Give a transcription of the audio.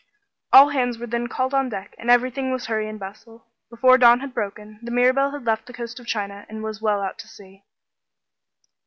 All hands were then called on deck and everything was hurry and bustle. Before dawn had broken, the Mirabelle had left the coast of China and was well out to sea.